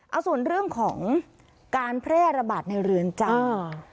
เอาส่วนเรื่องของการแพร่ระบาดในเรือนจำ